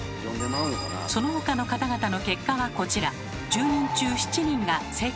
その他の方々の結果はこちら。